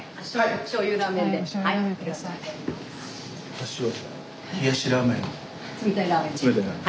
私は冷たいラーメンで。